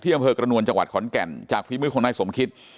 ที่บรรเวอร์กระนวลจังหวัดขอนแก่นจากฟิมือของนายสมคิด